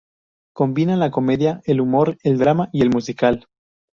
Combina la comedia, el humor, el drama y el musical.